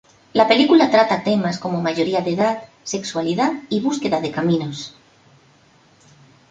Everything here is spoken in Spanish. La película trata temas como mayoría de edad, sexualidad y búsqueda de caminos.